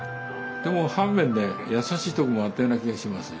でも反面ね優しいとこもあったような気がしますよ。